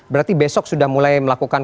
berarti besok sudah mulai melakukan